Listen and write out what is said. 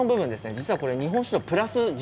実はこれ日本酒度プラス１０。